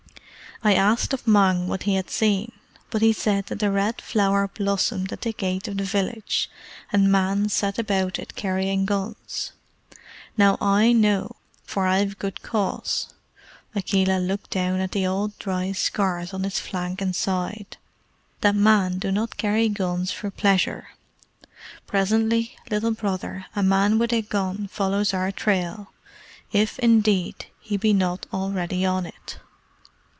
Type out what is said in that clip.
"I asked of Mang what he had seen. He said that the Red Flower blossomed at the gate of the village, and men sat about it carrying guns. Now I know, for I have good cause," Akela looked down at the old dry scars on his flank and side, "that men do not carry guns for pleasure. Presently, Little Brother, a man with a gun follows our trail if, indeed, he be not already on it."